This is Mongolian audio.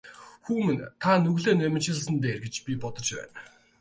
Хүү минь та нүглээ наманчилсан нь дээр гэж би бодож байна.